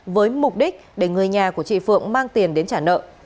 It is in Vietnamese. với mục đích để người nhà của chị phượng mang tiền đến trả nợ